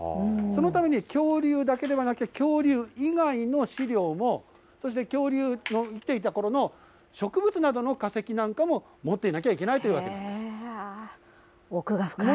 そのために恐竜だけではなくて、恐竜以外の資料も、そして恐竜の生きていたころの植物などの化石なんかも持っていなきゃいけない奥が深い。